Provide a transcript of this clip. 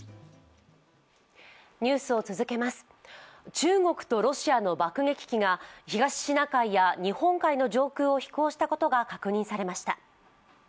中国とロシアの爆撃機が東シナ海や日本海の上空を飛行したことが確認されました。